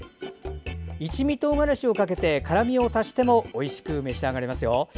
一味とうがらしをかけて辛味を足してもおいしく召し上がれますよ。